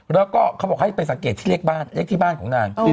แล้วก็เขาบอกให้ไปสังเกตที่เลขบ้านเลขที่บ้านของนาง